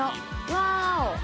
ワーオ。